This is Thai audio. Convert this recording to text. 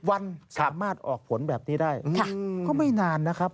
วันสามารถออกผลแบบนี้ได้ก็ไม่นานนะครับ